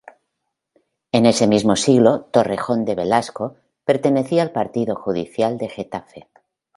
En ese mismo siglo, Torrejón de Velasco pertenecía al partido judicial de Getafe.